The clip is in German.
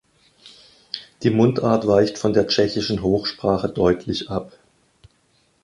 Die Mundart weicht von der tschechischen Hochsprache deutlich ab.